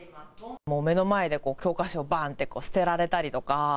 目の前で、教科書、ばーんって捨てられたりとか。